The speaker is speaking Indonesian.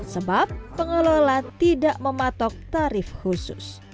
sebab pengelola tidak mematok tarif khusus